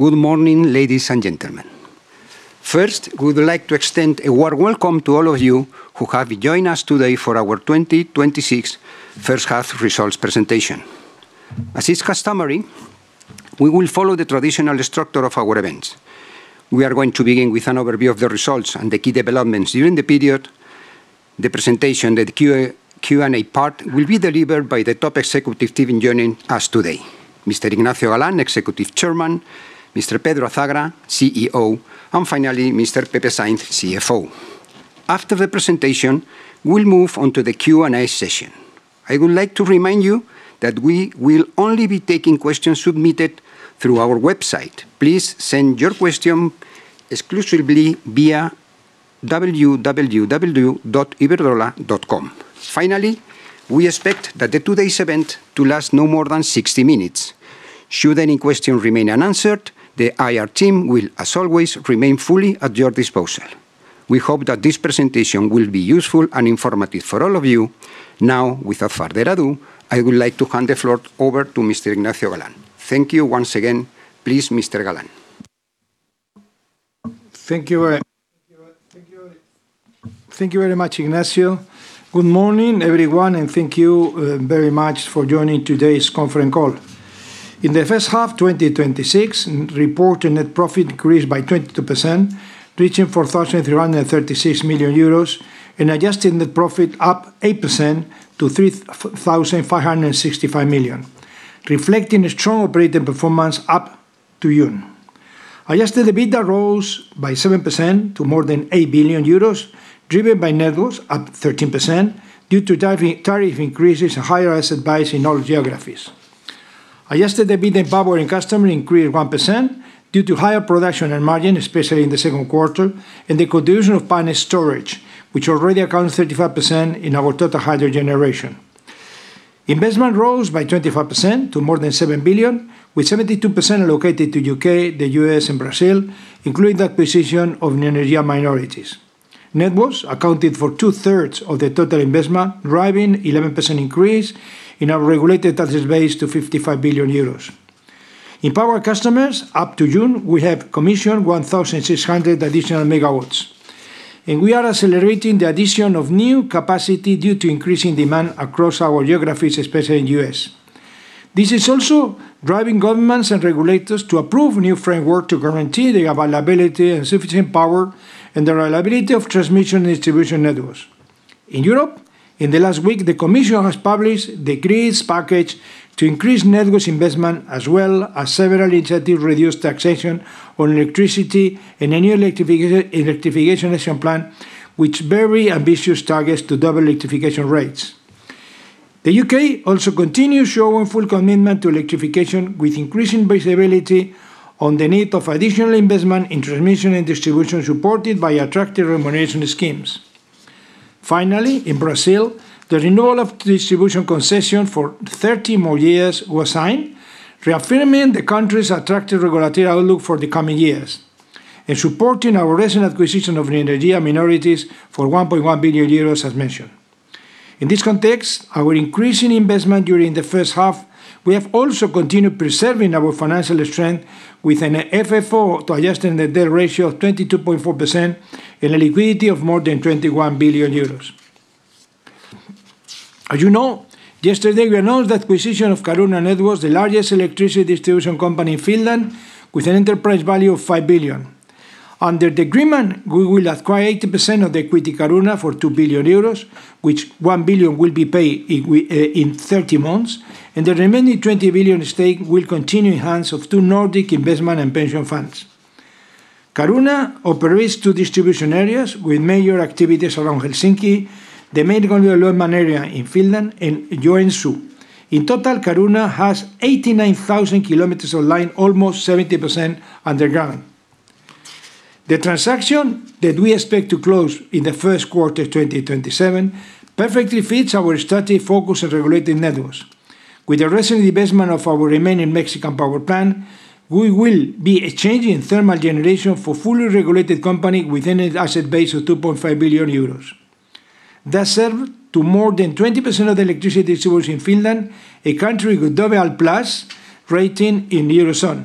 Good morning, ladies and gentlemen. First, we would like to extend a warm welcome to all of you who have joined us today for our 2026 first half results presentation. As is customary, we will follow the traditional structure of our events. We are going to begin with an overview of the results and the key developments during the period. The presentation, the Q&A part, will be delivered by the top executive team joining us today, Mr. Ignacio Galán, Executive Chairman, Mr. Pedro Azagra, CEO, and finally, Mr. Pepe Sainz, CFO. After the presentation, we'll move on to the Q&A session. I would like to remind you that we will only be taking questions submitted through our website. Please send your question exclusively via www.iberdrola.com. Finally, we expect today's event to last no more than 60 minutes. Should any questions remain unanswered, the IR team will, as always, remain fully at your disposal. We hope that this presentation will be useful and informative for all of you. Now, without further ado, I would like to hand the floor over to Mr. Ignacio Galán. Thank you once again. Please, Mr. Galán. Thank you very much, Ignacio. Good morning, everyone, and thank you very much for joining today's conference call. In the first half 2026, reported net profit increased by 22%, reaching 4,336 million euros, and adjusted net profit up 8% to 3,565 million, reflecting a strong operating performance up to June. Adjusted EBITDA rose by 7% to more than 8 billion euros, driven by Networks up 13% due to tariff increases and higher asset buys in all geographies. Adjusted EBITDA in Power & Customers increased 1% due to higher production and margin, especially in the second quarter, and the contribution of Spanish storage, which already accounts 35% in our total hydro generation. Investment rose by 25% to more than 7 billion, with 72% allocated to U.K., the U.S., and Brazil, including the acquisition of Neoenergia Minorities. Networks accounted for two-thirds of the total investment, driving 11% increase in our regulated asset base to 55 billion euros. In Power & Customers, up to June, we have commissioned 1,600 additional megawatts, and we are accelerating the addition of new capacity due to increasing demand across our geographies, especially in U.S. This is also driving governments and regulators to approve new framework to guarantee the availability and sufficient power and the reliability of transmission and distribution networks. In Europe, in the last week, the commission has published the Grids Package to increase Networks investment, as well as several incentive reduced taxation on electricity and a new Electrification Action Plan, with very ambitious targets to double electrification rates. The U.K. also continues showing full commitment to electrification, with increasing visibility on the need of additional investment in transmission and distribution, supported by attractive remuneration schemes. Finally, in Brazil, the renewal of distribution concession for 30 years was signed, reaffirming the country's attractive regulatory outlook for the coming years, supporting our recent acquisition of Neoenergia Minorities for 1.1 billion euros as mentioned. In this context, our increasing investment during the first half, we have also continued preserving our financial strength with an FFO to adjusted debt ratio of 22.4% and a liquidity of more than 21 billion euros. As you know, yesterday we announced the acquisition of Caruna Networks, the largest electricity distribution company in Finland, with an enterprise value of 5 billion. Under the agreement, we will acquire 80% of the equity Caruna for 2 billion euros, which 1 billion will be paid in 30 months, and the remaining 20% stake will continue in hands of two Nordic investment and pension funds. Caruna operates two distribution areas with major activities around Helsinki, the main growth area in Finland, and Joensuu. In total, Caruna has 89,000 km of line, almost 70% underground. The transaction that we expect to close in the first quarter 2027 perfectly fits our strategic focus on regulated Networks. With the recent divestment of our remaining Mexican power plant, we will be exchanging thermal generation for fully regulated company within an asset base of 2.5 billion euros. That serves to more than 20% of the electricity consumers in Finland, a country with AA+ rating in the Eurozone,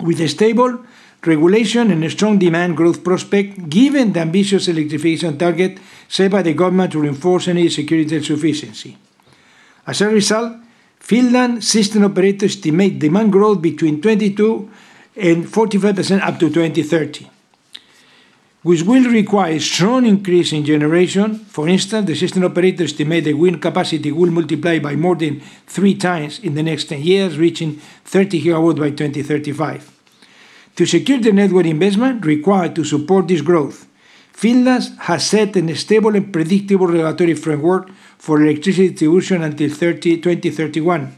with a stable regulation and a strong demand growth prospect given the ambitious electrification target set by the government to reinforce energy security and sufficiency. As a result, Finland system operators estimate demand growth between 22%-45% up to 2030, which will require a strong increase in generation. For instance, the system operator estimates the wind capacity will multiply by more than 3x in the next 10 years, reaching 30 GW by 2035. To secure the network investment required to support this growth, Finland has set a stable and predictable regulatory framework for electricity distribution until 2031,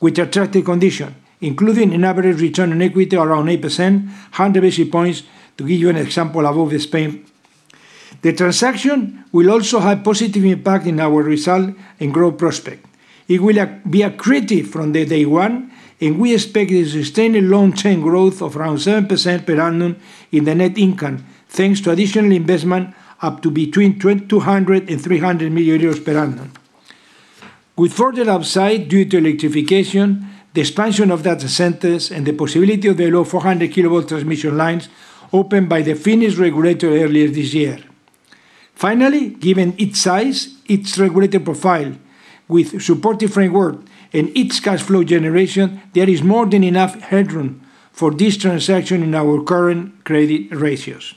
with attractive conditions, including an average return on equity around 8%, to give you an example above Spain. The transaction will also have positive impact in our results and growth prospects. It will be accretive from day one, we expect a sustained and long-term growth of around 7% per annum in the net income, thanks to additional investment up to between 200 million euros and 300 million euros per annum. With further upside due to electrification, the expansion of data centers, and the possibility of the low 400-kV transmission lines opened by the Finnish regulator earlier this year. Finally, given its size, its regulated profile with supportive framework, and its cash flow generation, there is more than enough headroom for this transaction in our current credit ratios.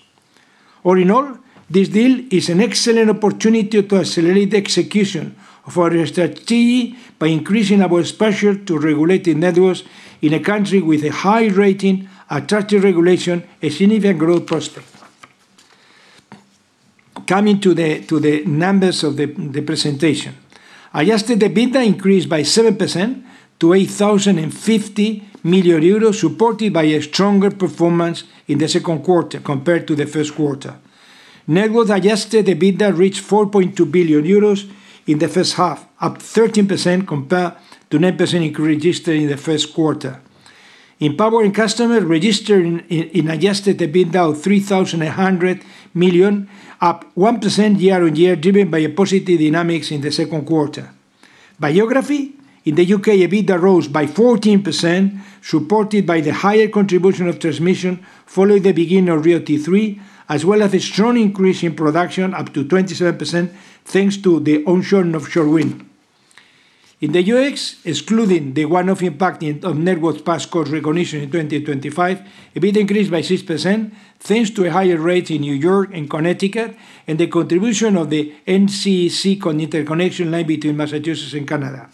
All in all, this deal is an excellent opportunity to accelerate the execution of our strategy by increasing our exposure to regulated Networks in a country with a high rating, attractive regulation, and significant growth prospects. Coming to the numbers of the presentation. Adjusted EBITDA increased by 7% to 8,050 million euros, supported by a stronger performance in the second quarter compared to the first quarter. Networks adjusted EBITDA reached 4.2 billion euros in the first half, up 13% compared to 9% increase registered in the first quarter. In Power & Customers registered an adjusted EBITDA of 3,100 million, up 1% year-on-year, driven by positive dynamics in the second quarter. By geography, in the U.K., EBITDA rose by 14%, supported by the higher contribution of transmission following the beginning of RIIO-T3, as well as a strong increase in production up to 27% thanks to the onshore and offshore wind. In the U.S., excluding the one-off impact of network's past cost recognition in 2025, EBITDA increased by 6% thanks to a higher rate in New York and Connecticut and the contribution of the NECEC interconnection line between Massachusetts and Canada.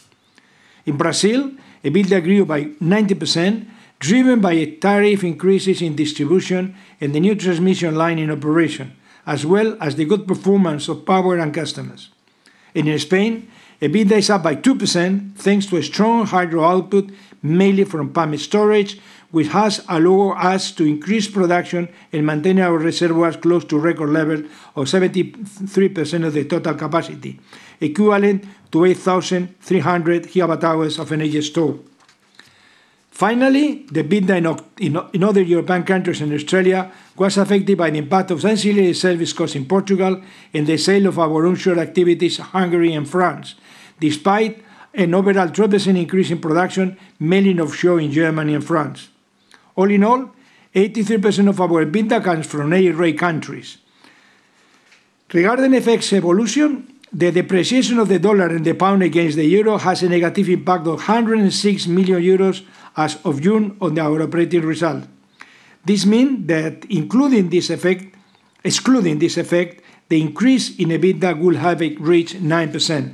In Brazil, EBITDA grew by 90%, driven by tariff increases in distribution and the new transmission line in operation, as well as the good performance of Power & Customers. In Spain, EBITDA is up by 2% thanks to a strong hydro output, mainly from pumped-storage, which has allowed us to increase production and maintain our reservoirs close to record levels of 73% of the total capacity, equivalent to 8,300 GWh of energy stored. Finally, the EBITDA in other European countries and Australia was affected by the impact of ancillary service costs in Portugal and the sale of our onshore activities in Hungary and France, despite an overall 12% increase in production, mainly offshore in Germany and France. All in all, 83% of our EBITDA comes from A-rated countries. Regarding FX evolution, the depreciation of the dollar and the pound against the euro has a negative impact of 106 million euros as of June on our operating result. This means that excluding this effect, the increase in EBITDA will have reached 9%.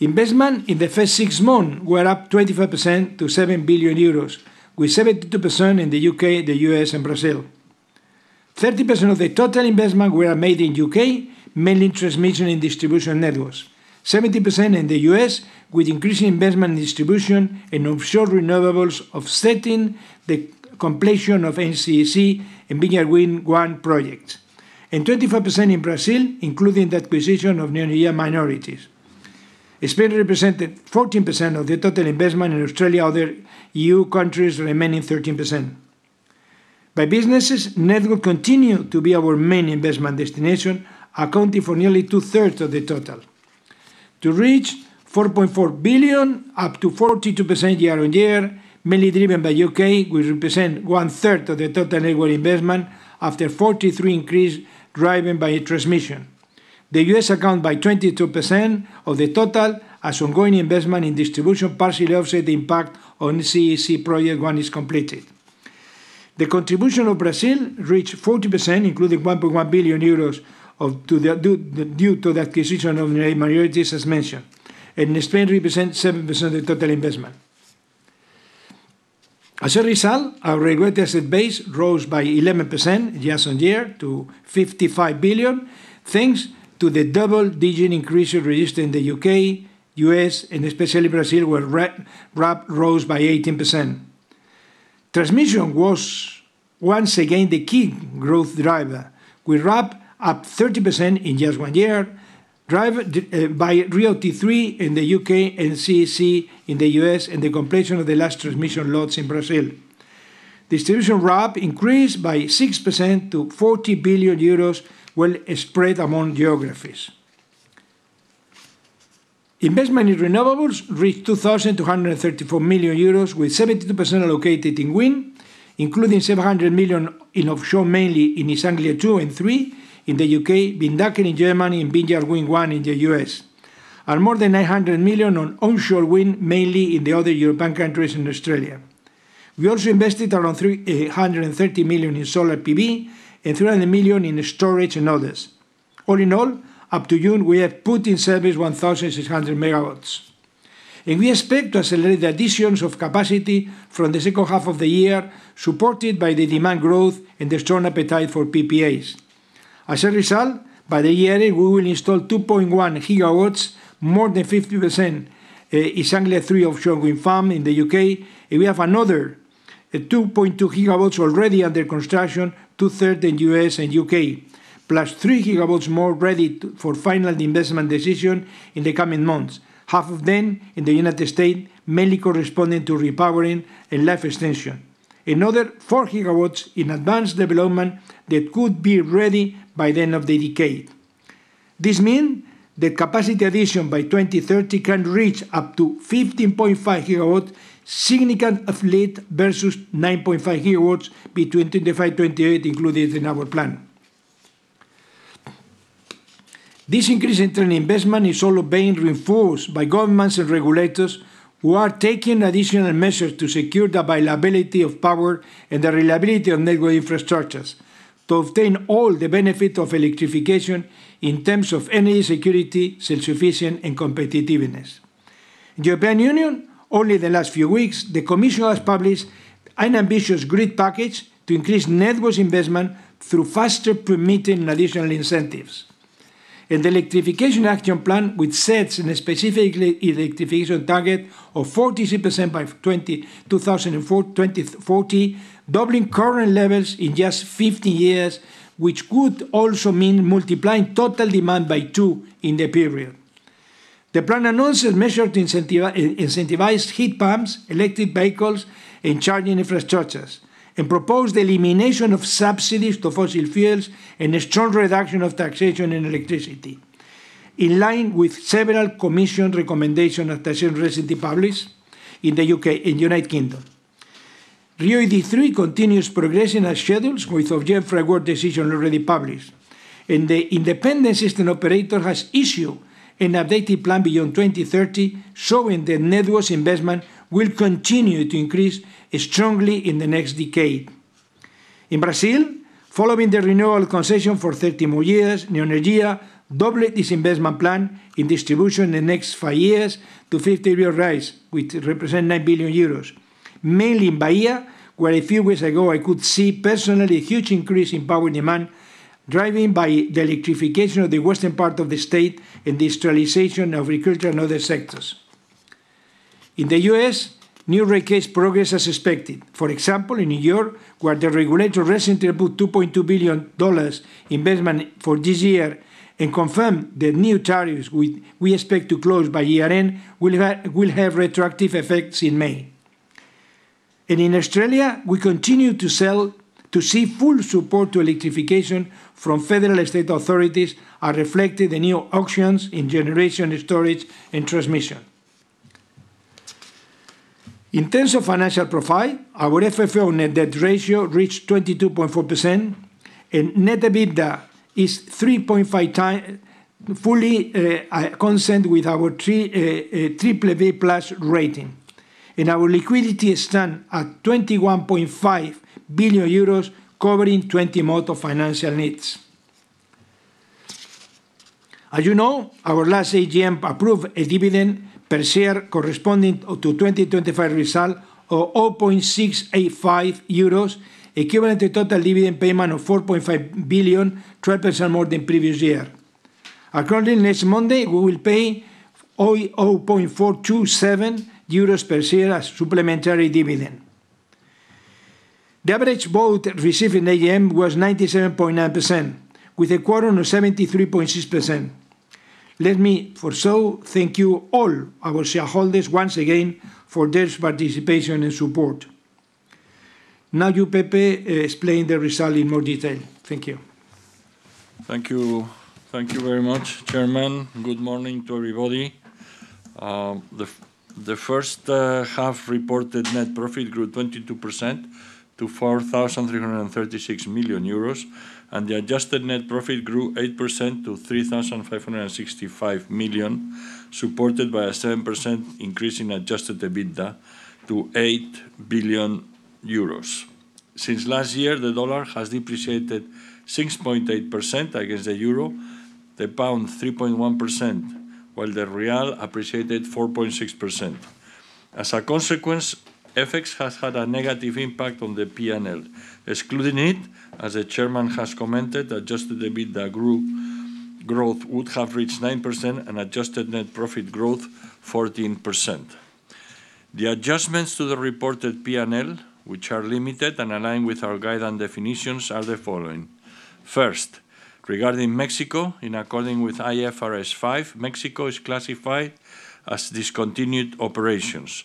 Investment in the first six months was up 25% to 7 billion euros, with 72% in the U.K., the U.S., and Brazil. 30% of the total investment were made in U.K., mainly transmission and distribution networks, 70% in the U.S., with increasing investment in distribution and offshore renewables offsetting the completion of NECEC and Vineyard Wind 1 projects, and 25% in Brazil, including the acquisition of Neoenergia Minorities. Spain represented 14% of the total investment in Australia, other E.U. countries remaining 13%. By businesses, Networks continued to be our main investment destination, accounting for nearly 2/3 of the total to reach 4.4 billion, up to 42% year-on-year, mainly driven by U.K., which represent 1/3 of the total Networks investment after 43% increase driven by transmission. The U.S. account by 22% of the total as ongoing investment in distribution partially offset the impact on NECEC project once it's completed. The contribution of Brazil reached 14%, including 1.1 billion euros due to the acquisition of the minorities, as mentioned, Spain represented 7% of the total investment. As a result, our regulated asset base rose by 11% year-on-year to 55 billion, thanks to the double digit increases registered in the U.K., U.S., and especially Brazil, where RAB rose by 18%. Transmission was once again the key growth driver, with RAB up 30% in year-on-year, driven by RIIO-T3 in the U.K., NECEC in the U.S., and the completion of the last transmission lots in Brazil. Distribution RAB increased by 6% to 40 billion euros, well spread among geographies. Investment in renewables reached 2,234 million euros, with 72% allocated in wind, including 700 million in offshore, mainly in East Anglia TWO and THREE in the U.K., Windanker in Germany, and Vineyard Wind 1 in the U.S., and more than 900 million on onshore wind, mainly in the other European countries and Australia. We also invested around 330 million in solar PV and 300 million in storage and others. All in all, up to June, we have put in service 1,600 MW. We expect to accelerate the additions of capacity from the second half of the year, supported by the demand growth and the strong appetite for PPAs. As a result, by the year end, we will install 2.1 GW, more than 50% East Anglia THREE offshore wind farm in the U.K. We have another 2.2 GW already under construction, 2/3 in U.S. and U.K., +3 GW more ready for final investment decision in the coming months, half of them in the United States, mainly corresponding to repowering and life extension. Another 4 GW in advanced development that could be ready by the end of the decade. This means the capacity addition by 2030 can reach up to 15.5 GW, a significant uplift versus 9.5 GW between 2025 and 2028 included in our plan. This increase in investment is all being reinforced by governments and regulators who are taking additional measures to secure the availability of power and the reliability of network infrastructures to obtain all the benefit of electrification in terms of energy security, self-sufficiency, and competitiveness. In the European Union, only in the last few weeks, the Commission has published an ambitious European Grids Package to increase Networks investment through faster permitting and additional incentives. The Electrification Action Plan, which sets a specific electrification target of 43% by 2040, doubling current levels in just 50 years, which could also mean multiplying total demand by two in the period. The plan announces measures to incentivize heat pumps, electric vehicles, and charging infrastructures, and propose the elimination of subsidies to fossil fuels and a strong reduction of taxation and electricity. In line with several Commission recommendations attached recently published in the U.K. RIIO-ED3 continuous progression as schedules with Ofgem framework decision already published. The independent system operator has issued an updated plan beyond 2030, showing the Networks investment will continue to increase strongly in the next decade. In Brazil, following the renewal concession for 30 more years, Neoenergia doubled its investment plan in distribution in the next five years to 50 billion real, which represent 9 billion euros. Mainly in Bahia, where a few weeks ago I could see personally a huge increase in power demand, driven by the electrification of the western part of the state and the industrialization of agriculture and other sectors. In the U.S., new rate case progress as expected. For example, in New York, where the regulator recently approved $2.2 billion investment for this year and confirmed the new tariffs, we expect to close by year-end, will have retroactive effects in May. In Australia, we continue to see full support to electrification from federal and state authorities are reflected in new auctions in generation storage and transmission. In terms of financial profile, our FFO net debt ratio reached 22.4%, net EBITDA is 3.5x, fully consistent with our BBB+ rating. Our liquidity stands at 21.5 billion euros, covering 20 months of financial needs. As you know, our last AGM approved a dividend per share corresponding to 2025 result of 0.685 euros, equivalent to total dividend payment of 4.5 billion, 12% more than previous year. Accordingly, next Monday, we will pay 0.427 euros per share as supplementary dividend. The average vote received in AGM was 97.9% with a quorum of 73.6%. Let me thank all our shareholders once again, for their participation and support. Now you, Pepe, explain the result in more detail. Thank you. Thank you very much, Chairman. Good morning to everybody. The first half reported net profit grew 22% to 4,336 million euros, the adjusted net profit grew 8% to 3,565 million, supported by a 7% increase in adjusted EBITDA to 8 billion euros. Since last year, the dollar has depreciated 6.8% against the euro, the pound 3.1%, while the real appreciated 4.6%. As a consequence, FX has had a negative impact on the P&L. Excluding it, as the Chairman has commented, adjusted EBITDA growth would have reached 9% and adjusted net profit growth 14%. The adjustments to the reported P&L, which are limited and aligned with our guide and definitions, are the following. First, regarding Mexico, in accordance with IFRS 5, Mexico is classified as discontinued operations.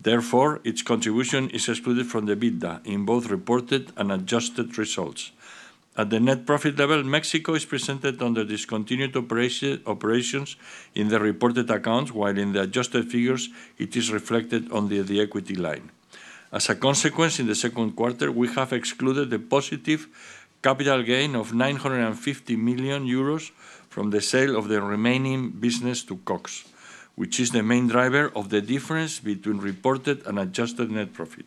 Therefore, its contribution is excluded from EBITDA in both reported and adjusted results. At the net profit level, Mexico is presented under discontinued operations in the reported accounts, while in the adjusted figures, it is reflected under the equity line. As a consequence, in the second quarter, we have excluded the positive capital gain of 950 million euros from the sale of the remaining business to Cox, which is the main driver of the difference between reported and adjusted net profit.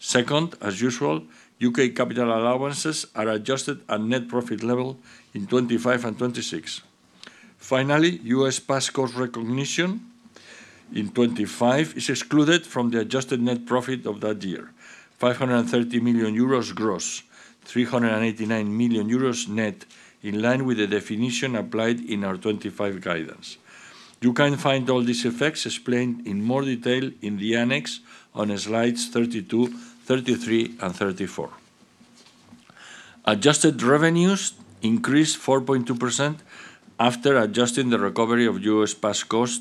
Second, as usual, U.K. capital allowances are adjusted at net profit level in 2025 and 2026. Finally, U.S. past cost recognition in 2025 is excluded from the adjusted net profit of that year. 530 million euros gross, 389 million euros net, in line with the definition applied in our 2025 guidance. You can find all these effects explained in more detail in the annex on slides 32, 33, and 34. Adjusted revenues increased 4.2% after adjusting the recovery of U.S. past cost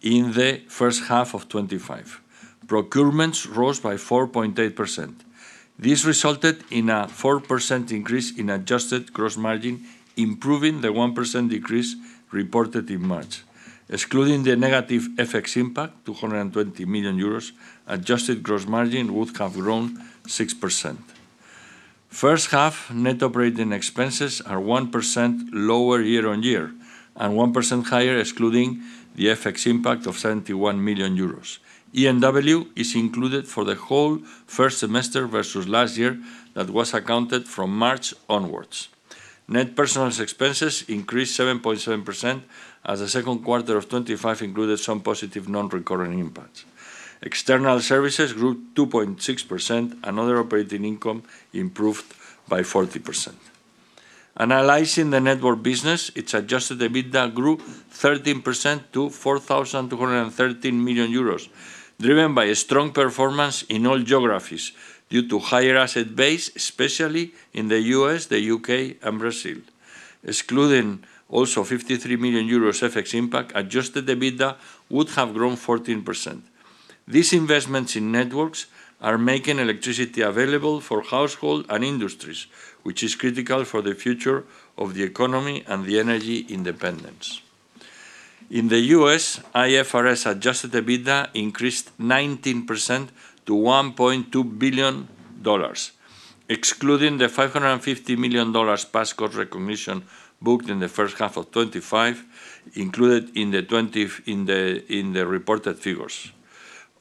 in the first half of 2025. Procurements rose by 4.8%. This resulted in a 4% increase in adjusted gross margin, improving the 1% decrease reported in March. Excluding the negative FX impact, 220 million euros, adjusted gross margin would have grown 6%. First half net operating expenses are 1% lower year-on-year and 1% higher excluding the FX impact of 71 million euros. ENW is included for the whole first semester versus last year that was accounted from March onwards. Net personnel expenses increased 7.7% as the second quarter of 2025 included some positive non-recurring impacts. External services grew 2.6%, other operating income improved by 40%. Analyzing the Networks business, its adjusted EBITDA grew 13% to 4,213 million euros, driven by a strong performance in all geographies due to higher asset base, especially in the U.S., the U.K., and Brazil. Excluding also 53 million euros FX impact, adjusted EBITDA would have grown 14%. These investments in Networks are making electricity available for household and industries, which is critical for the future of the economy and energy independence. In the U.S., IFRS-adjusted EBITDA increased 19% to $1.2 billion, excluding the $550 million past-cost recognition booked in the first half of 2025, included in the reported figures.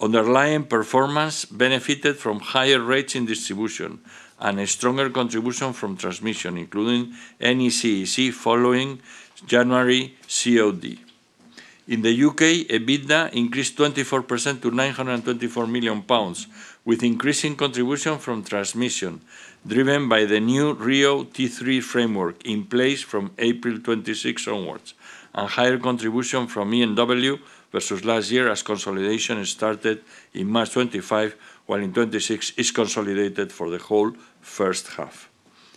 Underlying performance benefited from higher rates in distribution and a stronger contribution from transmission, including NECEC following January COD. In the U.K., EBITDA increased 24% to 924 million pounds, with increasing contribution from transmission driven by the new RIIO-T3 framework in place from April 2026 onwards, and higher contribution from ENW versus last year as consolidation started in March 2025, while in 2026 is consolidated for the whole first half.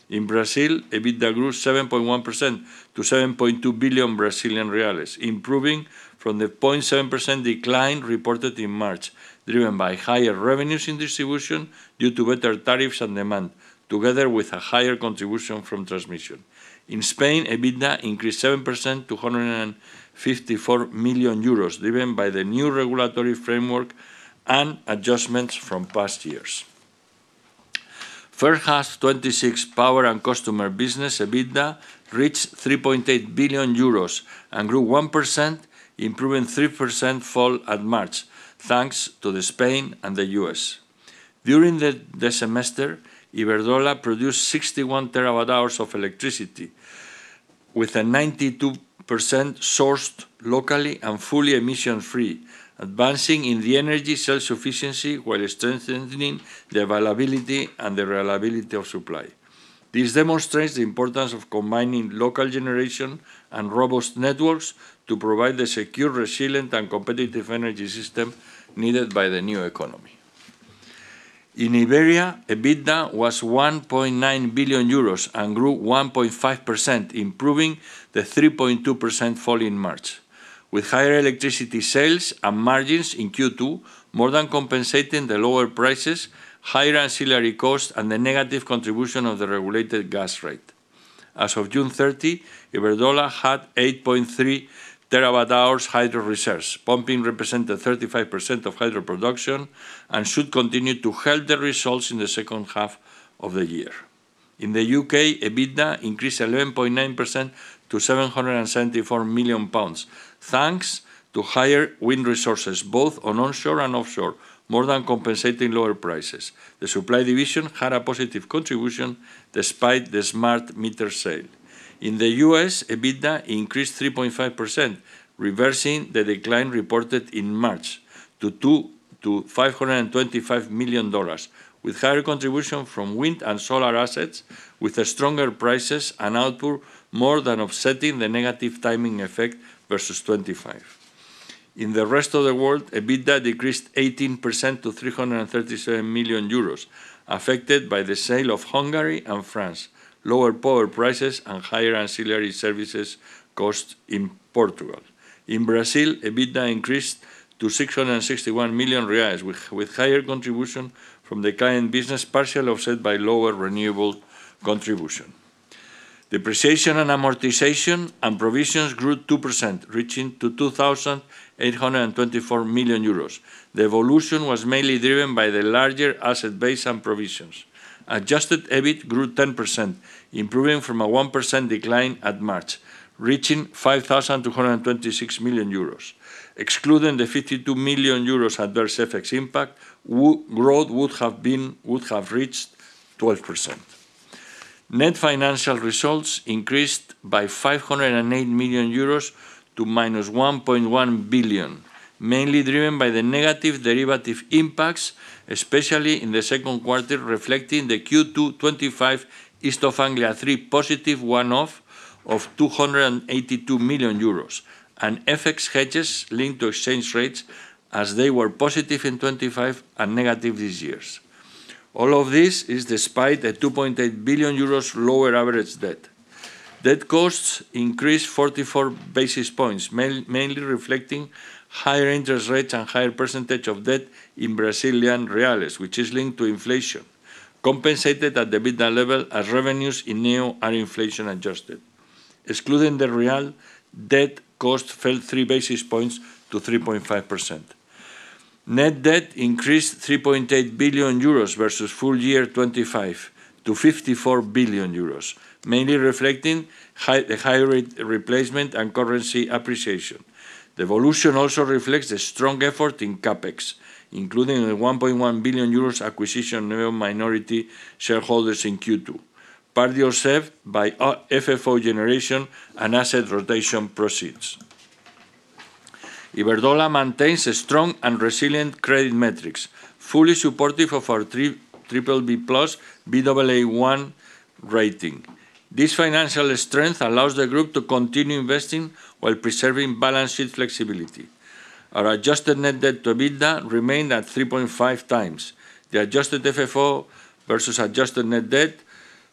In Brazil, EBITDA grew 7.1% to 7.2 billion, improving from the 0.7% decline reported in March, driven by higher revenues in distribution due to better tariffs and demand, together with a higher contribution from transmission. In Spain, EBITDA increased 7% to 154 million euros, driven by the new regulatory framework and adjustments from past years. First half 2026 Power & Customers business EBITDA reached 3.8 billion euros and grew 1%, improving 3% fall at March, thanks to Spain and the U.S. During the semester, Iberdrola produced 61 TWh of electricity with a 92% sourced locally and fully emission-free, advancing in the energy self-sufficiency while strengthening the availability and the reliability of supply. This demonstrates the importance of combining local generation and robust Networks to provide the secure, resilient, and competitive energy system needed by the new economy. In Iberia, EBITDA was 1.9 billion euros and grew 1.5%, improving the 3.2% fall in March, with higher electricity sales and margins in Q2 more than compensating the lower prices, higher ancillary costs, and the negative contribution of the regulated gas rate. As of June 30, Iberdrola had 8.3 TWh hydro reserves. Pumping represented 35% of hydro production and should continue to help the results in the second half of the year. In the U.K., EBITDA increased 11.9% to 774 million pounds, thanks to higher wind resources, both on onshore and offshore, more than compensating lower prices. The supply division had a positive contribution despite the smart meter sale. In the U.S., EBITDA increased 3.5%, reversing the decline reported in March to $525 million, with higher contribution from wind and solar assets with stronger prices and output more than offsetting the negative timing effect versus 2025. In the rest of the world, EBITDA decreased 18% to 337 million euros, affected by the sale of Hungary and France, lower power prices, and higher ancillary services cost in Portugal. In Brazil, EBITDA increased to 661 million reais, with higher contribution from the client business, partially offset by lower renewable contribution. Depreciation and amortization and provisions grew 2%, reaching to 2,824 million euros. The evolution was mainly driven by the larger asset base and provisions. Adjusted EBIT grew 10%, improving from a 1% decline at March, reaching 5,226 million euros. Excluding the 52 million euros adverse FX impact, growth would have reached 12%. Net financial results increased by 508 million euros to -1.1 billion, mainly driven by the negative derivative impacts, especially in the second quarter, reflecting the Q2 2025 East Anglia THREE positive one-off of 282 million euros and FX hedges linked to exchange rates as they were positive in 2025 and negative this year. All of this is despite a 2.8 billion euros lower average debt. Debt costs increased 44 basis points, mainly reflecting higher interest rates and higher percentage of debt in Brazilian reals, which is linked to inflation, compensated at the EBITDA level as revenues in Neo are inflation-adjusted. Excluding the real, debt cost fell three basis points to 3.5%. Net debt increased 3.8 billion euros versus full year 2025 to EUR 54 billion, mainly reflecting the high rate replacement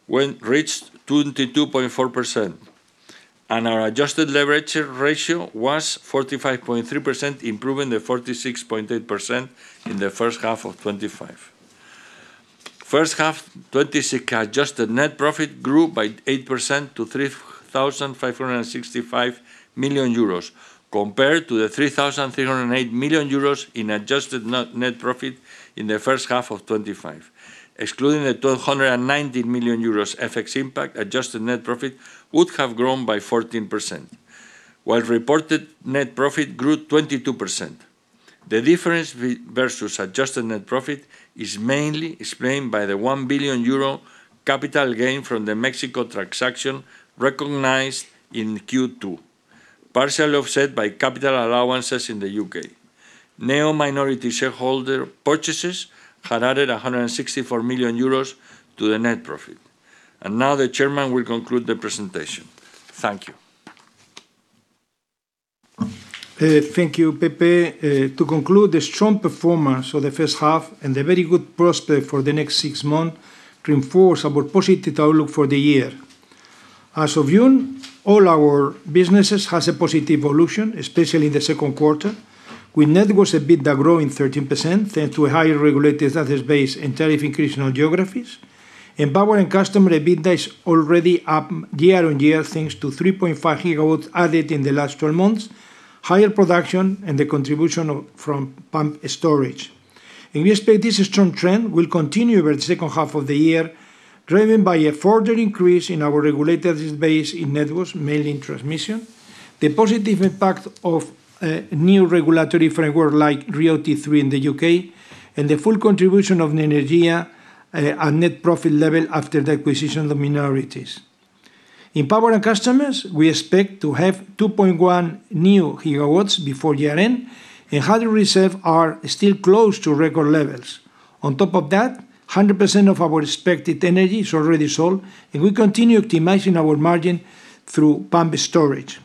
and currency appreciation. The evolution also reflects the strong effort in CapEx, including a EUR 1.1 billion acquisition of minority shareholders in Q2, partly offset by FFO generation and asset rotation proceeds. Iberdrola maintains strong and resilient credit metrics, fully supportive of our BBB+/Baa1 rating. This financial strength allows the group to continue investing while preserving balance sheet flexibility. Our adjusted net debt to EBITDA remained at 3.5x. The adjusted FFO versus adjusted net debt reached 22.4%. Our adjusted leverage ratio was 45.3%, improving the 46.8% in the first half of 2025. First half 2026 adjusted net profit grew by 8% to 3,565 million euros, compared to the 3,308 million euros in adjusted net profit in the first half of 2025. Excluding the 219 million euros FX impact, adjusted net profit would have grown by 14%, while reported net profit grew 22%. The difference versus adjusted net profit is mainly explained by the 1 billion euro capital gain from the Mexico transaction recognized in Q2, partially offset by capital allowances in the U.K. Neoenergia Minority shareholder purchases had added 164 million euros to the net profit. Now the Chairman will conclude the presentation. Thank you. Thank you, Pepe. To conclude, the strong performance of the first half and the very good prospect for the next six months reinforce our positive outlook for the year. As of June, all our businesses have a positive evolution, especially in the second quarter, with Networks EBITDA growing 13% thanks to a higher regulated assets base and tariff increase in our geographies. In Power & Customers, EBITDA is already up year-on-year, thanks to 3.5 GW added in the last 12 months, higher production, and the contribution from pumped storage. We expect this strong trend will continue over the second half of the year, driven by a further increase in our regulated base in Networks, mainly in transmission, the positive impact of a new regulatory framework like RIIO-T3 in the U.K., and the full contribution of Neoenergia at net profit level after the acquisition of the minorities. In Power & Customers, we expect to have 2.1 GW before year-end and hydro reserves are still close to record levels. On top of that, 100% of our expected energy is already sold, and we continue optimizing our margin through pumped storage.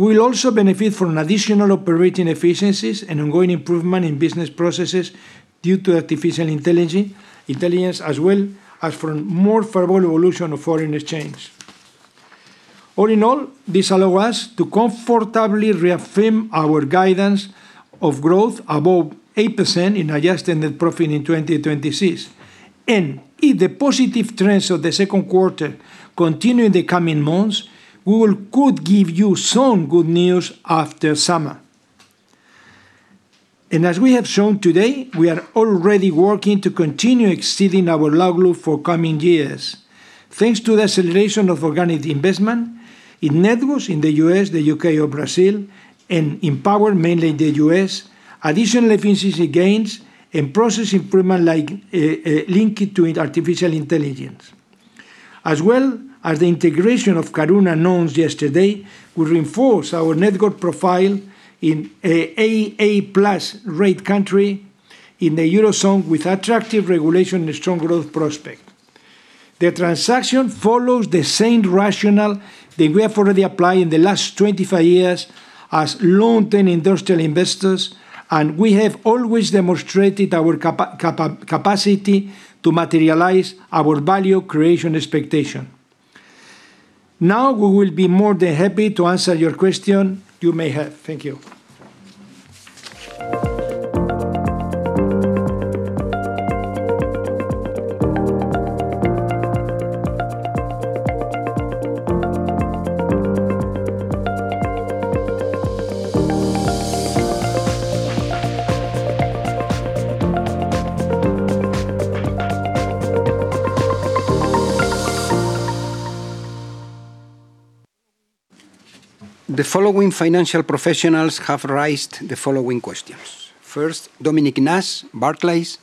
We will also benefit from additional operating efficiencies and ongoing improvement in business processes due to artificial intelligence, as well as from more favorable evolution of foreign exchange. All in all, this allows us to comfortably reaffirm our guidance of growth above 8% in adjusted net profit in 2026. If the positive trends of the second quarter continue in the coming months, we could give you some good news after summer. As we have shown today, we are already working to continue exceeding our outlook for coming years. Thanks to the acceleration of organic investment in Networks in the U.S., the U.K. or Brazil, and in Power, mainly in the U.S., additional efficiency gains and process improvement linked to artificial intelligence. As well as the integration of Caruna, announced yesterday, will reinforce our Network profile in AA+ rate country in the Eurozone with attractive regulation and strong growth prospect. The transaction follows the same rationale that we have already applied in the last 25 years as long-term industrial investors. We have always demonstrated our capacity to materialize our value creation expectation. Now, we will be more than happy to answer your questions you may have. Thank you. The following financial professionals have raised the following questions. First, Dominic Nash, Barclays;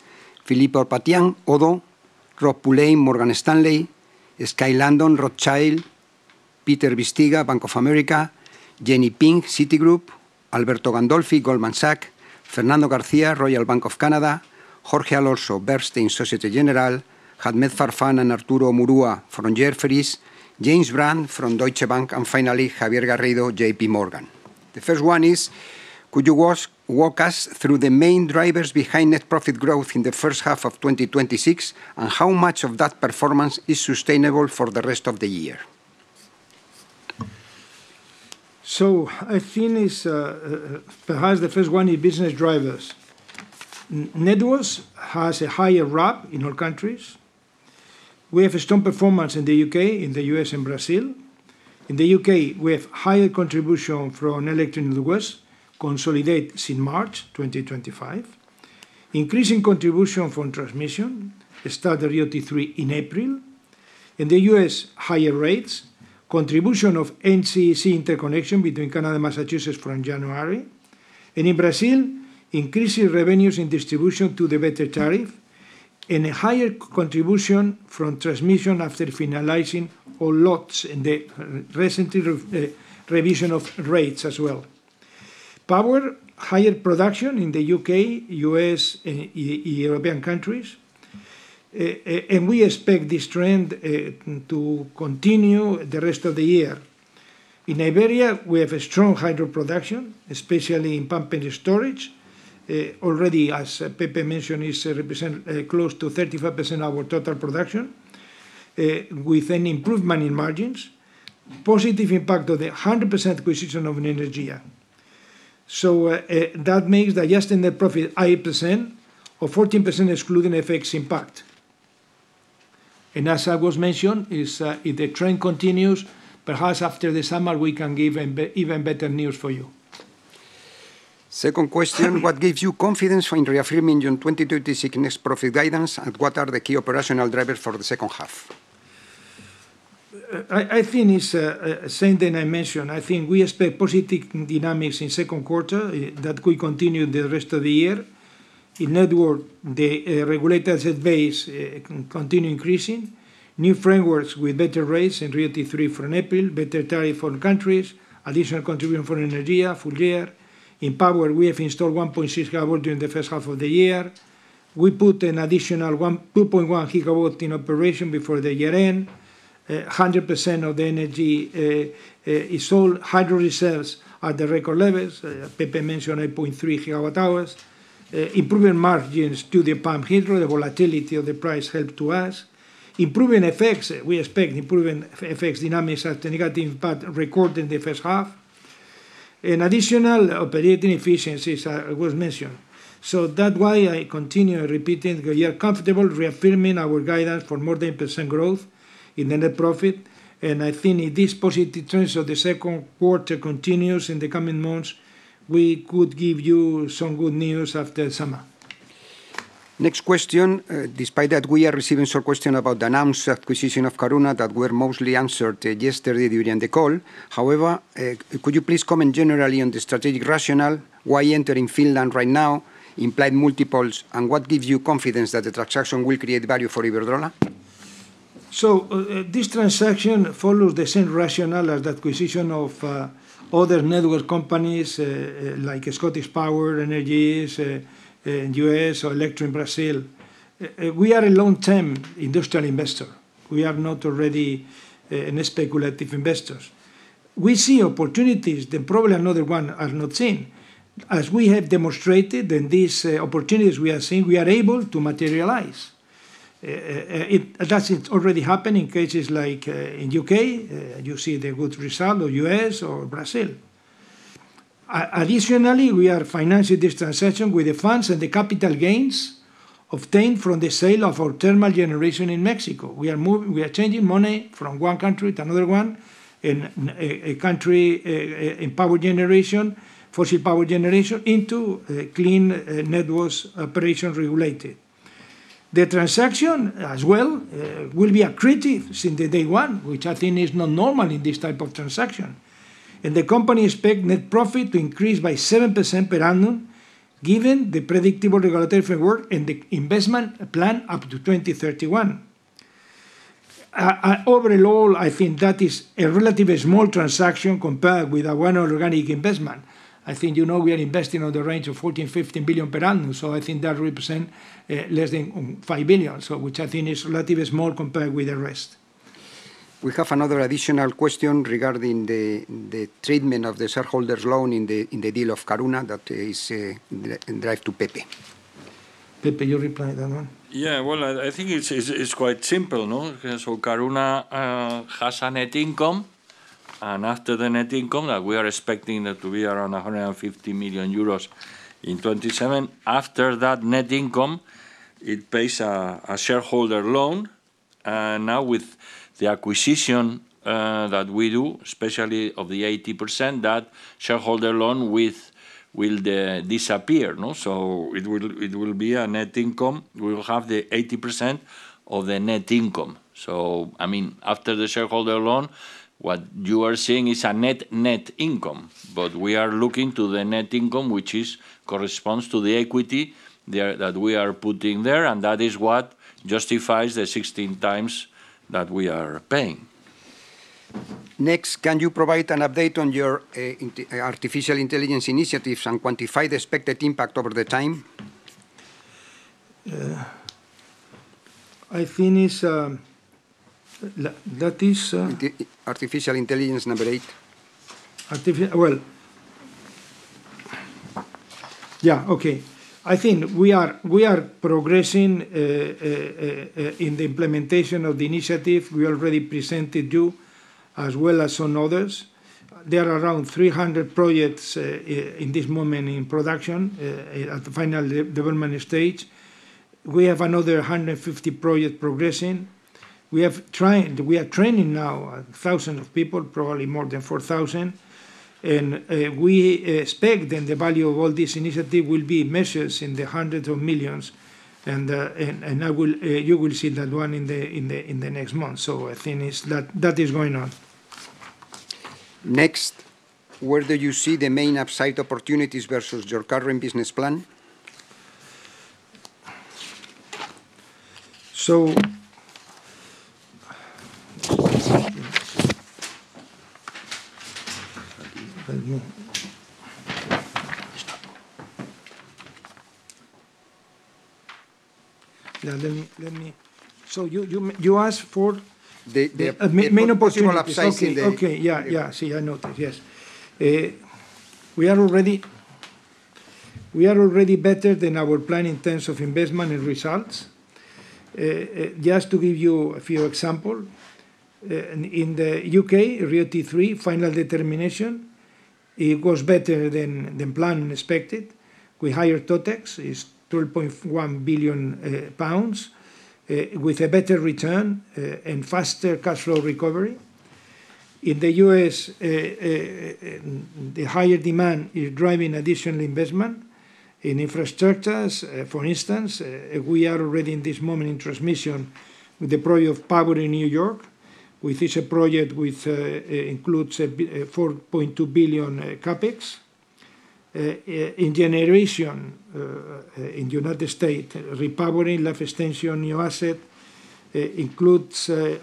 Philippe Oddo, ODDO; Rob Pulleyn, Morgan Stanley; Skye Landon, Rothschild; Peter Miniati, Bank of America; Jenny Ping, Citigroup; Alberto Gandolfi, Goldman Sachs; Fernando Garcia, Royal Bank of Canada; Jorge Alonso, Bernstein, Societe Generale; Ahmed Farman and Arturo Murua from Jefferies; James Brand from Deutsche Bank; finally, Javier Garrido, JPMorgan. The first one is, could you walk us through the main drivers behind net profit growth in the first half of 2026? How much of that performance is sustainable for the rest of the year? I think perhaps the first one is business drivers. Networks has a higher RAB in all countries. We have a strong performance in the U.K., in the U.S., and Brazil. In the U.K., we have higher contribution from Electricity North West, consolidated since March 2025. Increasing contribution from transmission. Started RIIO-T3 in April. In the U.S., higher rates, contribution of NECEC interconnection between Canada and Massachusetts from January. In Brazil, increasing revenues in distribution due to better tariff, and a higher contribution from transmission after finalizing all lots in the recent revision of rates as well. Power, higher production in the U.K., U.S., and European countries. We expect this trend to continue the rest of the year. In Iberia, we have a strong hydro production, especially in pump into storage. Already, as Pepe mentioned, it represent close to 35% our total production, with an improvement in margins. Positive impact of the 100% acquisition of Neoenergia. That means the adjusted net profit 8% or 14% excluding FX impact. As I was mentioning, if the trend continues, perhaps after the summer, we can give even better news for you. Second question, what gives you confidence when reaffirming your 2026 profit guidance, and what are the key operational drivers for the second half? I think it's same thing I mentioned. I think we expect positive dynamics in second quarter that could continue the rest of the year. In network, the regulator asset base continue increasing. New frameworks with better rates in RIIO-T3 from April, better tariff for countries, additional contribution from Neoenergia full year. In power, we have installed 1.6 GW during the first half of the year. We put an additional 2.1 GW in operation before the year-end. 100% of the energy is sold. Hydro reserves are at the record levels. Pepe mentioned 8.3 GWh. Improving margins to the pump hydro. The volatility of the price helped to us. Improving effects. We expect improving effects dynamics after negative impact record in the first half. Additional operating efficiencies was mentioned. That's why I continue repeating that we are comfortable reaffirming our guidance for more than 8% growth in the net profit. I think if these positive trends of the second quarter continue in the coming months, we could give you some good news after summer. Next question. Despite that we are receiving some questions about the announced acquisition of Caruna that were mostly answered yesterday during the call. Could you please comment generally on the strategic rationale why entering Finland right now, implied multiples, and what gives you confidence that the transaction will create value for Iberdrola? This transaction follows the same rationale as the acquisition of other network companies, like ScottishPower Energy in U.S. or Elektro in Brazil. We are a long-term industrial investor. We are not really speculative investors. We see opportunities that probably another one has not seen. As we have demonstrated in these opportunities we are seeing, we are able to materialize. That already happened in cases like in U.K., you see the good result, or U.S., or Brazil. Additionally, we are financing this transaction with the funds and the capital gains obtained from the sale of our thermal generation in Mexico. We are changing money from one country to another one, in a country in power generation, fossil power generation, into clean Networks operations regulated. The transaction as well will be accretive since day one, which I think is not normal in this type of transaction. The company expects net profit to increase by 7% per annum, given the predictable regulatory framework and the investment plan up to 2031. Overall, I think that is a relatively small transaction compared with our organic investment. I think you know we are investing on the range of 14 billion-15 billion per annum, I think that represents less than 5 billion, which I think is relatively small compared with the rest. We have another additional question regarding the treatment of the shareholders' loan in the deal of Caruna that is directed to Pepe? Pepe, you reply that one. Well, I think it's quite simple. Caruna has a net income, after the net income, we are expecting that to be around 150 million euros in 2027. After that net income, it pays a shareholder loan. Now with the acquisition that we do, especially of the 80%, that shareholder loan will disappear, no? It will be a net income. We will have the 80% of the net income. After the shareholder loan, what you are seeing is a net income. We are looking to the net income, which corresponds to the equity that we are putting there, and that is what justifies the 16 times that we are paying. Next, can you provide an update on your artificial intelligence initiatives and quantify the expected impact over the time? I think. Artificial Intelligence, number 8. Well, yeah. Okay. I think we are progressing in the implementation of the initiative. We already presented you as well as some others. There are around 300 projects at this moment in production at the final development stage. We have another 150 projects progressing. We are training now thousands of people, probably more than 4,000. We expect that the value of all this initiative will be measured in the hundreds of millions, and you will see that one in the next month. I think that is going on. Next, where do you see the main upside opportunities versus your current business plan? You asked for? The possible upsides in the main opportunities. Okay. Yeah, I see. I noted, yes. We are already better than our plan in terms of investment and results. Just to give you a few examples. In the U.K., RIIO-T3 final determination, it was better than planned and expected. We higher TotEx, is 1.1 billion pounds, with a better return and faster cash flow recovery. In the U.S., the higher demand is driving additional investment in infrastructures. For instance, we are already in this moment in transmission with the project of Powering New York, which is a project which includes 4.2 billion CapEx. In generation in United States, repowering, life extension, new asset,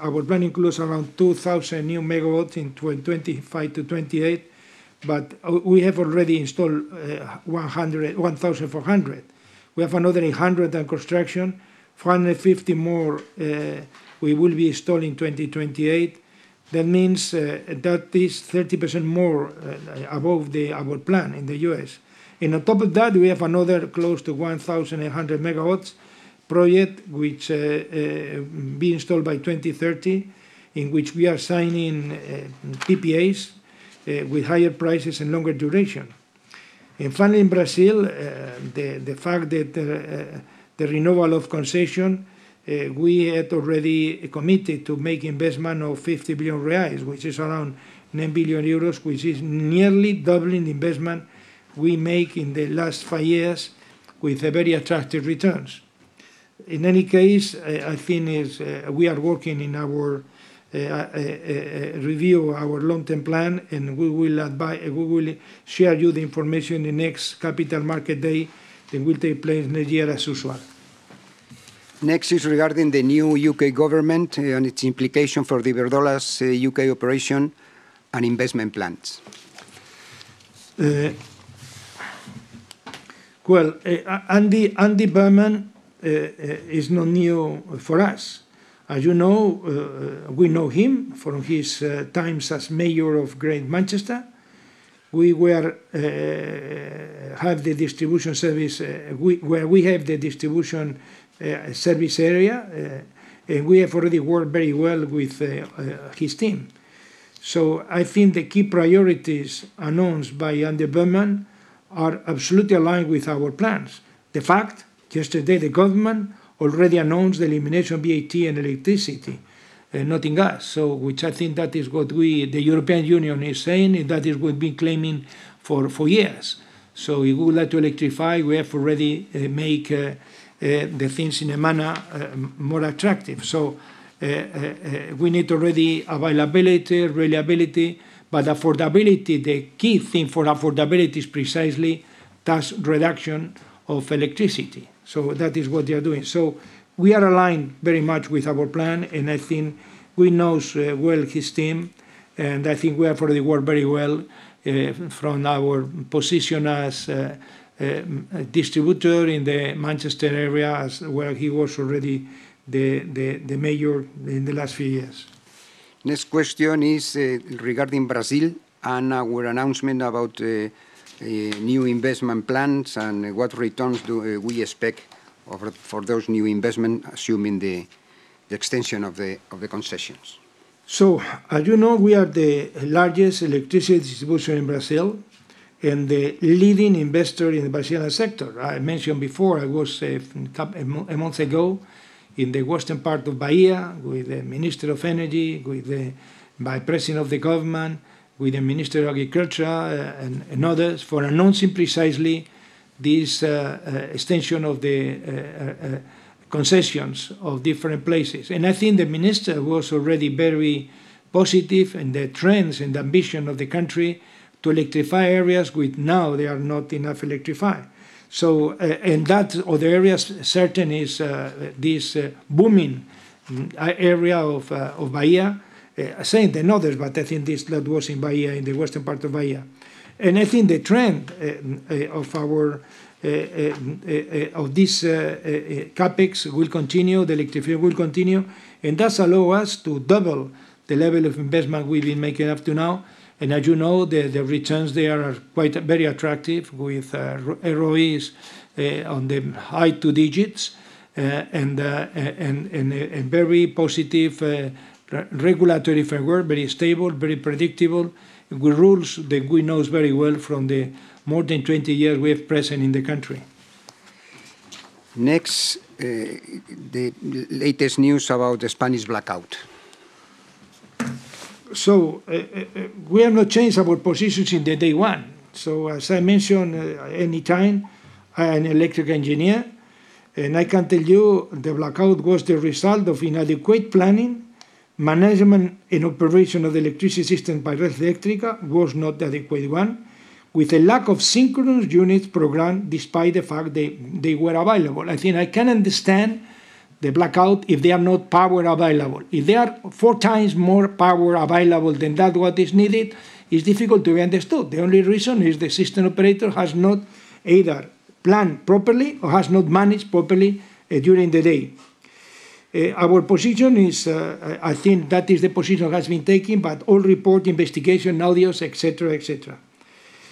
our plan includes around 2,000 MW in 2025-2028, but we have already installed 1,400 MW. We have another 800 MW under construction, 450 MW more we will be installing 2028. That means that is 30% more above our plan in the U.S. On top of that, we have another close to 1,800 MW project which will be installed by 2030, in which we are signing PPAs with higher prices and longer duration. Finally, in Brazil, the fact that the renewal of concession, we had already committed to make investment of 50 billion reais, which is around 9 billion euros, which is nearly double investment we make in the last five years with very attractive returns. In any case, I think we are working in our review of our long-term plan, and we will share you the information the next capital market day that will take place next year as usual. Regarding the new U.K. government and its implication for Iberdrola's U.K. operation and investment plans? Andy Burnham is not new for us. As you know, we know him from his times as Mayor of Greater Manchester, where we have the distribution service area. We have already worked very well with his team. I think the key priorities announced by Andy Burnham are absolutely aligned with our plans. The fact yesterday the government already announced the elimination of VAT and electricity, not in gas. Which I think that is what the European Union is saying, that it would been claiming for years. If we would like to electrify, we have already make the things in a manner more attractive. We need already availability, reliability, but affordability, the key thing for affordability is precisely tax reduction of electricity. That is what they are doing. We are aligned very much with our plan, I think we know well his team, I think we have already worked very well from our position as a distributor in the Manchester area, as well, he was already the mayor in the last few years. Regarding Brazil and our announcement about new investment plans and what returns do we expect for those new investment, assuming the extension of the concessions? As you know, we are the largest electricity distributor in Brazil and the leading investor in the Brazilian sector. I mentioned before, I was a month ago in the Western part of Bahia with the Minister of Energy, with the Vice-President of the government, with the Minister of Agriculture and others, for announcing precisely this extension of the concessions of different places. I think the Minister was already very positive in the trends and ambition of the country to electrify areas which now they are not enough electrified. That, or the areas certain is this booming area of Bahia. I've seen another, but I think this was in Bahia, in the Western part of Bahia. I think the trend of this CapEx will continue, the electrification will continue, and that allow us to double the level of investment we've been making up to now. As you know, the returns there are very attractive with ROEs on the high-two digits, and very positive regulatory framework, very stable, very predictable. With rules that we know very well from the more than 20 years we have present in the country. Next, the latest news about the Spanish blackout? We have not changed our positions in the day one. As I mentioned, anytime, I'm an electrical engineer, and I can tell you the blackout was the result of inadequate planning, management, and operation of the electricity system by Red Eléctrica was not the adequate one, with a lack of synchronous units program, despite the fact they were available. I think I can understand the blackout if there are no power available. If there are 4x more power available than that what is needed, it's difficult to be understood. The only reason is the system operator has not either planned properly or has not managed properly during the day. Our position is, I think that is the position that has been taken, all report investigation, audios, etc.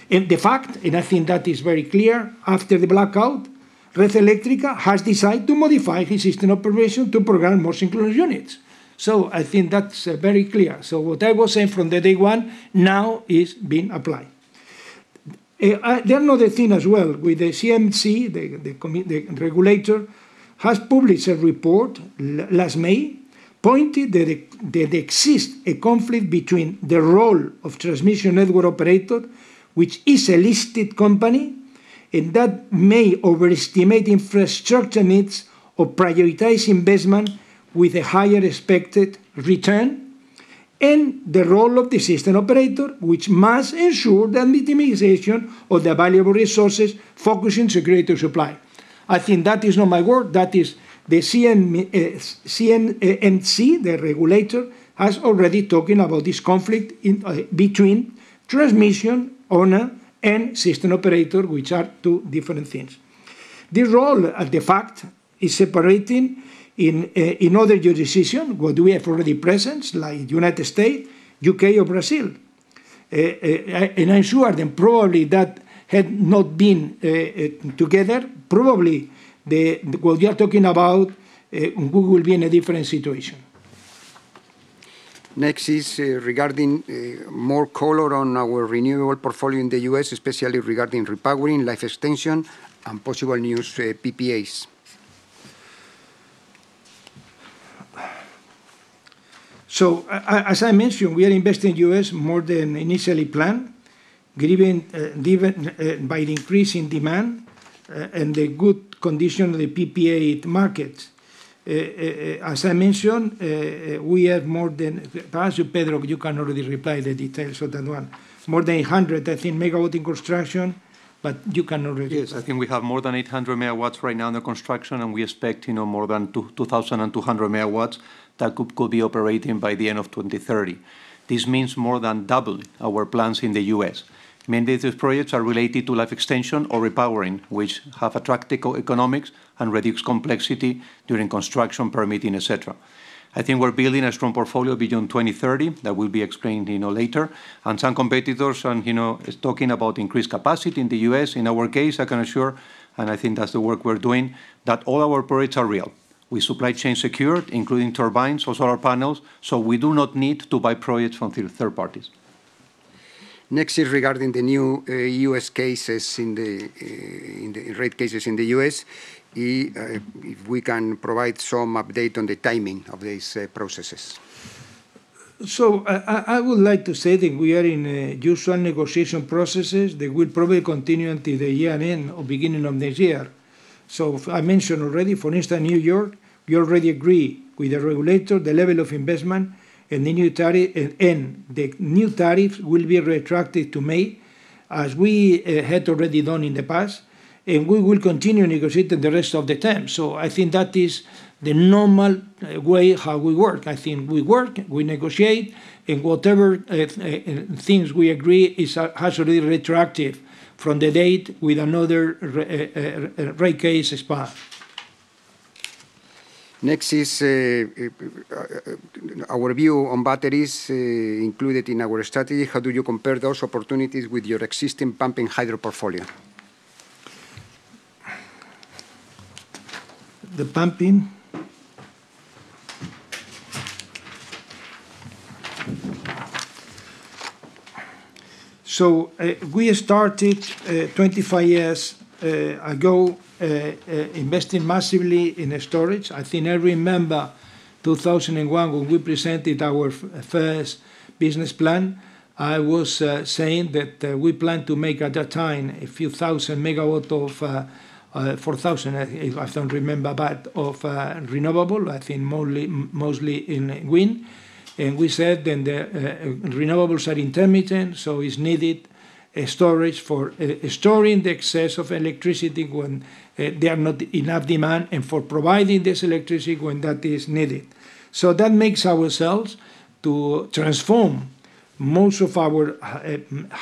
The fact, I think that is very clear, after the blackout, Red Eléctrica has decided to modify the system operation to program more synchronous units. I think that's very clear. What I was saying from the day one now is being applied. There are another thing as well. With the CNMC, the regulator, has published a report last May, pointed that there exists a conflict between the role of transmission network operator, which is a listed company, and that may overestimate infrastructure needs or prioritize investment with a higher expected return, and the role of the system operator, which must ensure the optimization of the valuable resources focusing security supply. I think that is not my word. That is the CNMC, the regulator, has already talking about this conflict between transmission owner and system operator, which are two different things. The role, the fact, is separating in other jurisdiction, where we have already presence, like U.S., U.K., or Brazil. I'm sure then probably that had not been together. Probably, what we are talking about, we will be in a different situation. Next is regarding more color on our renewable portfolio in the U.S., especially regarding repowering, life extension, and possible new PPAs? As I mentioned, we are investing in U.S. more than initially planned, driven by the increase in demand and the good condition of the PPA market. As I mentioned, we have more than Perhaps, Pedro, you can already reply the details of that one. More than 100, I think, megawatt in construction. Yes, I think we have more than 800 MW right now under construction, we expect more than 2,200 MW that could be operating by the end of 2030. This means more than double our plans in the U.S. Many of the projects are related to life extension or repowering, which have attractive economics and reduce complexity during construction, permitting, et cetera. I think we are building a strong portfolio beyond 2030 that will be explained later. Some competitors is talking about increased capacity in the U.S. In our case, I can assure, and I think that is the work we are doing, that all our projects are real. With supply chain secured, including turbines or solar panels, we do not need to buy projects from third parties. Next is regarding the new U.S. cases, rate cases in the U.S. If we can provide some update on the timing of these processes? I would like to say that we are in usual negotiation processes that will probably continue until the year end or beginning of next year. I mentioned already, for instance, New York, we already agree with the regulator the level of investment and the new tariff will be retracted to May, as we had already done in the past, and we will continue negotiating the rest of the term. I think that is the normal way how we work. I think we work, we negotiate, and whatever things we agree has already retroactive from the date with another rate case is passed. Next is our view on batteries included in our strategy. How do you compare those opportunities with your existing pumping hydro portfolio? We started 25 years ago, investing massively in storage. I think I remember 2001, when we presented our first business plan. I was saying that we plan to make, at that time, a few thousand megawatt of 4,000 MW, if I don't remember, of renewables, I think mostly in wind. We said then the renewables are intermittent, is needed storage for storing the excess of electricity when there are not enough demand, and for providing this electricity when that is needed. That makes ourselves to transform. Most of our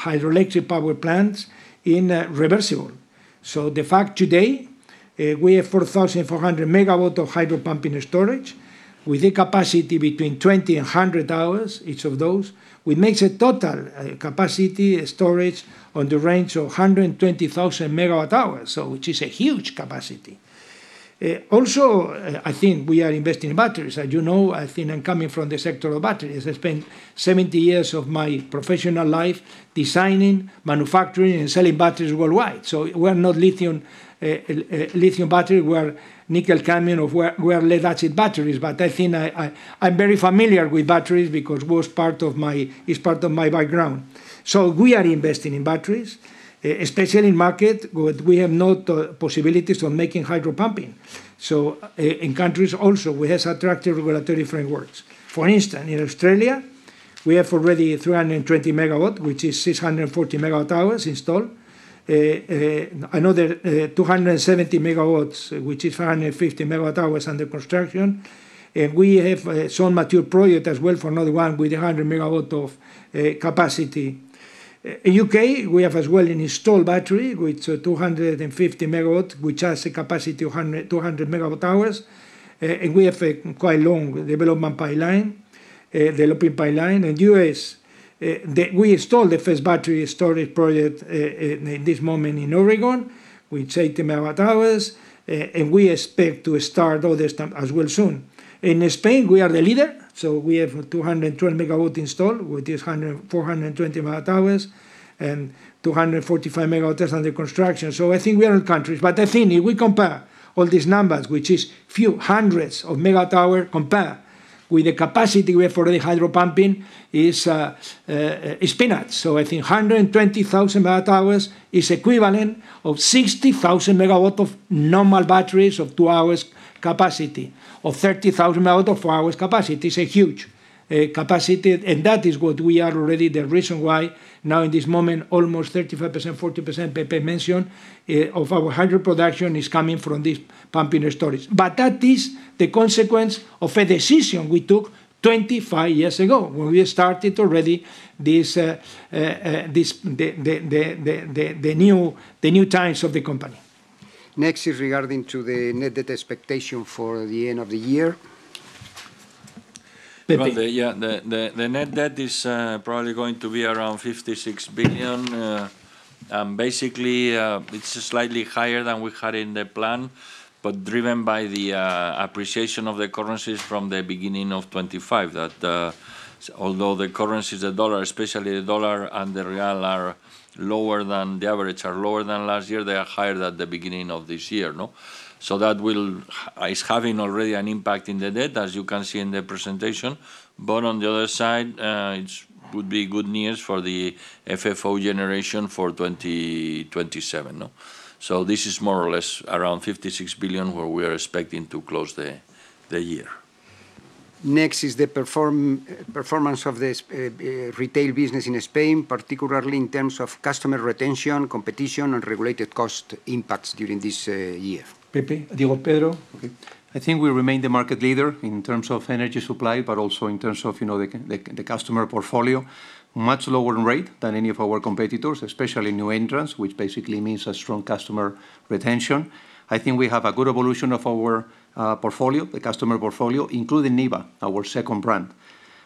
hydroelectric power plants are reversible. The fact today, we have 4,400 MW of hydro pumping storage with a capacity between 2000 hours, each of those, which makes a total capacity storage on the range of 120,000 MWh, which is a huge capacity. Also, I think we are investing in batteries. As you know, I'm coming from the sector of batteries. I spent 70 years of my professional life designing, manufacturing, and selling batteries worldwide. We're not lithium battery, we are nickel-cadmium, or we are lead-acid batteries. I think I'm very familiar with batteries because it's part of my background. We are investing in batteries, especially in market, we have no possibilities of making hydro pumping. In countries also, we have attractive regulatory frameworks. For instance, in Australia, we have already 320 MW, which is 640 MWh installed. Another 270 MW, which is 150 MWh, under construction. We have some mature project as well for another one with 100 MW of capacity. In U.K., we have as well an installed battery with 250 MW, which has a capacity of 200 MWh. We have a quite long developing pipeline. In U.S., we installed the first battery storage project at this moment in Oregon, with 80 MWh, and we expect to start other as well soon. In Spain, we are the leader, we have 212 MW installed with this 420 MWh and 245 MW under construction. I think we are in countries. I think if we compare all these numbers, which is few hundreds of megawatt-hours compared with the capacity we have for the hydro pumping, it's peanuts. I think 120,000 MWh is equivalent of 60,000 MW of normal batteries of two hours capacity, or 30,000 MW of four hours capacity. It's a huge capacity, that is what we are already the reason why now in this moment, almost 35%, 40%, Pepe mentioned, of our hydro production is coming from this pumping storage. That is the consequence of a decision we took 25 years ago, when we started already the new times of the company. Next is regarding to the net debt expectation for the end of the year? Pepe? Well, the net debt is probably going to be around 56 billion. Basically, it's slightly higher than we had in the plan, but driven by the appreciation of the currencies from the beginning of 2025. Although the currencies, the dollar, especially the dollar, and the real are lower than the average, are lower than last year, they are higher than the beginning of this year. That is having already an impact in the debt, as you can see in the presentation. On the other side, it would be good news for the FFO generation for 2027. This is more or less around 56 billion, where we are expecting to close the year. Next is the performance of this retail business in Spain, particularly in terms of customer retention, competition, and regulated cost impacts during this year? Pedro?. I think we remain the market leader in terms of energy supply, also in terms of the customer portfolio. Much lower rate than any of our competitors, especially new entrants, which basically means a strong customer retention. I think we have a good evolution of our portfolio, the customer portfolio, including niba, our second brand.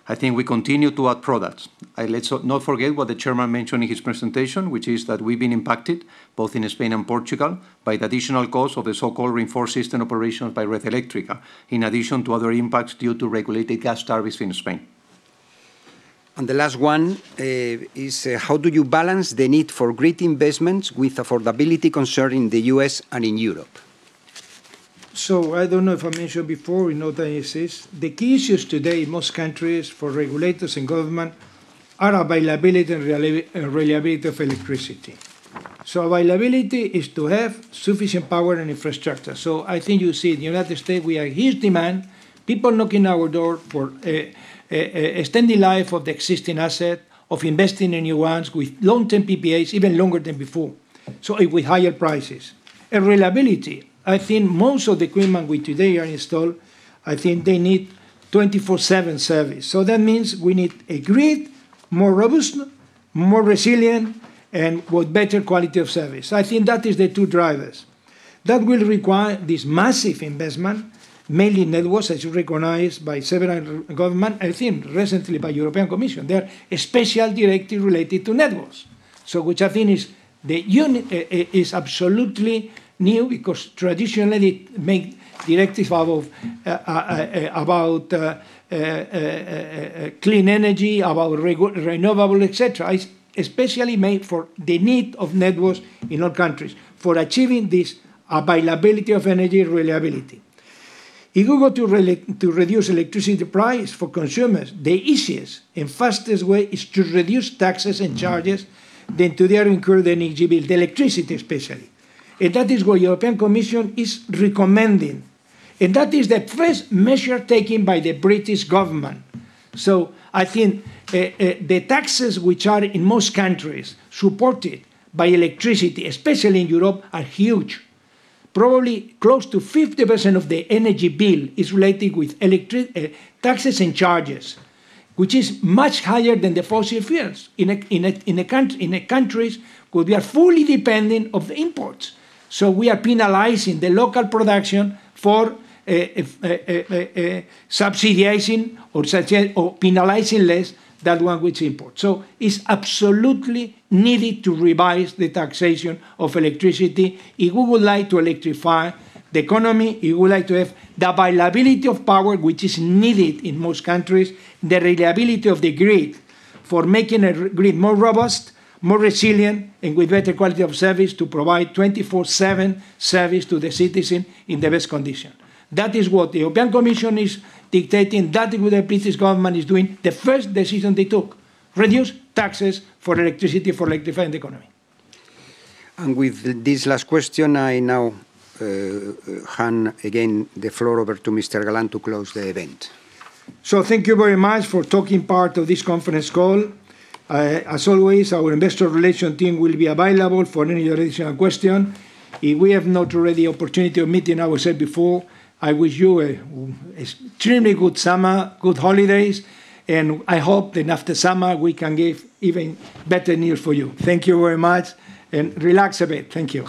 I think we continue to add products. Let's not forget what the Chairman mentioned in his presentation, which is that we've been impacted both in Spain and Portugal by the additional cost of the so-called reinforced system operations by Red Eléctrica, in addition to other impacts due to regulated gas tariffs in Spain. The last one is, how do you balance the need for grid investments with affordability concern in the U.S. and in Europe? I don't know if I mentioned before, we know that this is the key issues today in most countries for regulators and government are availability and reliability of electricity. Availability is to have sufficient power and infrastructure. I think you see in the U.S., we have huge demand. People knocking our door for extending life of the existing asset, of investing in new ones with long-term PPAs, even longer than before, with higher prices. Reliability, I think most of the equipment which today are installed, I think they need 24/7 service. That means we need a grid, more robust, more resilient, and with better quality of service. I think that is the two drivers. That will require this massive investment, mainly Networks, as you recognize, by several government, I think recently by European Commission. There, a special directive related to Networks. Which I think is absolutely new because traditionally, make directive about clean energy, about renewable, et cetera, is especially made for the need of Networks in all countries for achieving this availability of energy and reliability. If you go to reduce electricity price for consumers, the easiest and fastest way is to reduce taxes and charges than to their incurred energy bill, the electricity, especially. That is what European Commission is recommending. That is the first measure taken by the British government. I think the taxes which are in most countries supported by electricity, especially in Europe, are huge. Probably close to 50% of the energy bill is related with taxes and charges, which is much higher than the fossil fuels in the countries where they are fully dependent of the imports. We are penalizing the local production for subsidizing or penalizing less that one which imports. It's absolutely needed to revise the taxation of electricity. If we would like to electrify the economy, if we would like to have the availability of power which is needed in most countries, the reliability of the grid for making a grid more robust, more resilient, and with better quality of service to provide 24/7 service to the citizen in the best condition. That is what the European Commission is dictating. That is what the British government is doing. The first decision they took, reduce taxes for electricity for electrifying the economy. With this last question, I now hand again the floor over to Mr. Galán to close the event. Thank you very much for taking part of this conference call. As always, our Investor Relation team will be available for any additional question. If we have not already opportunity of meeting, I will say before, I wish you a extremely good summer, good holidays, and I hope that after summer, we can give even better news for you. Thank you very much, and relax a bit. Thank you.